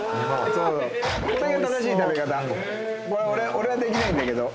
俺はできないんだけど。